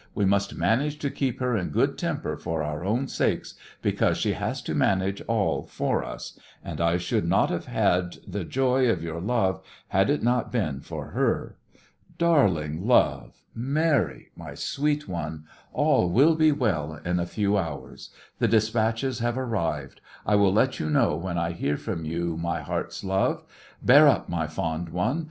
We must manage to keep her in good temper for our own sakes, because she has to manage all for us, and I should not have had the joy of your love had it not been for her. Darling love, Mary, my sweet one, all will be well in a few hours. The dispatches have arrived. I will let you know when I hear from you, my heart's love. Bear up, my fond one.